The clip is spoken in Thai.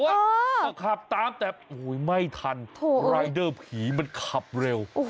ก็ขับตามแต่ไม่ทันรายเดอร์ผีมันขับเร็ว